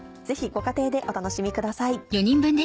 ぜひご家庭でお楽しみください。